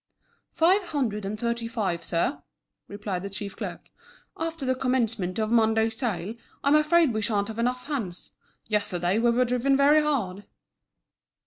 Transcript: "Five hundred and thirty four, sir," replied the chief clerk. "After the commencement of Monday's sale, I'm afraid we sha'n't have enough hands. Yesterday we were driven very hard."